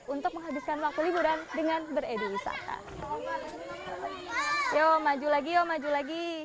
untuk menghabiskan waktu liburan dengan beredih wisata